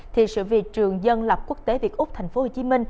thì sự việc trường dân lập quốc tế việt úc tp hcm